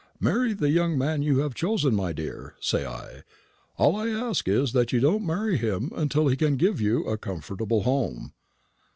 'Marry the man you have chosen, my dear,' say I; 'all I ask is, that you don't marry him until he can give you a comfortable home.'